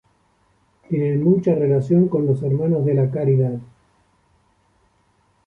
Tienen mucha relación con los hermanos de la caridad.